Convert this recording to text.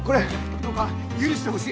どうか許してほしい。